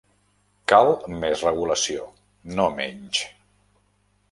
Cal més regulació, no menys.